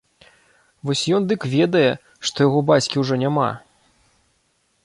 Вось ён дык ведае, што яго бацькі ўжо няма!